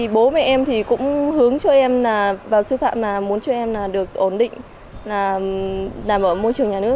bố mẹ em cũng hướng cho em vào sư phạm muốn cho em được ổn định làm ở môi trường nhà nước